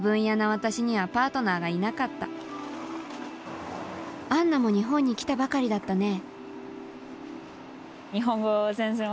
私にはパートナーがいなかったアンナも日本に来たばかりだったね